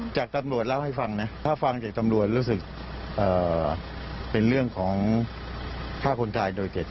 จากตำรวจเล่าให้ฟังนะถ้าฟังจากตำรวจรู้สึกเป็นเรื่องของฆ่าคนตายโดยเจตนา